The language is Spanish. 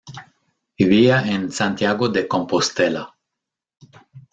Vivía en Santiago de Compostela.